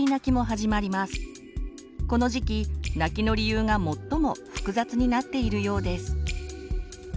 この時期泣きの理由が最も複雑になっているようです。